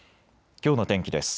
きょうの天気です。